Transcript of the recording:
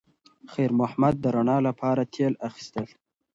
خیر محمد د رڼا لپاره تېل اخیستل.